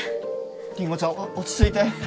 りんごちゃん落ち着いて